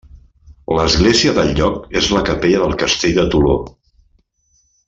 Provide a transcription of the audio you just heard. L'església del lloc és la capella del castell de Toló.